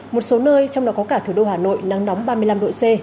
một số nơi trong đó có cả thủ đô hà nội nắng nóng ba mươi năm độ c